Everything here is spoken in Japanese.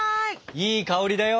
いい香りだよ！